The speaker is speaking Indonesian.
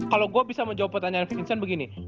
kalau gue bisa menjawab pertanyaan vincent begini